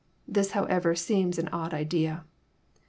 This, however, seems an odd idea.